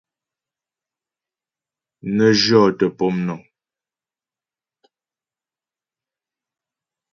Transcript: Nə jyɔ́tə pɔmnəŋ.